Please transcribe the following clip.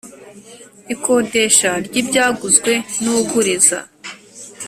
ikodesha ry ibyaguzwe n uguriza